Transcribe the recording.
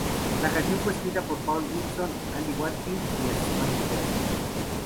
La canción fue escrita por Paul Wilson, Andy Watkins y las Spice Girls.